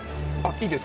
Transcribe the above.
いいです。